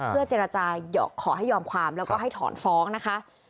เพื่อเจรจาขอให้ยอมความแล้วก็ให้ถอนฟ้องนะคะ